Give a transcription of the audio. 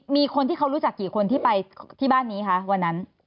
มีคนที่เขารู้จักกี่คนที่ไปที่บ้านนี้คะวันนั้น